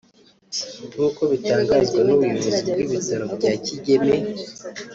nk’uko bitangazwa n’ubuyobozi bw’ibitaro bya Kigeme